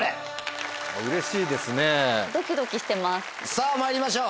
さぁまいりましょう！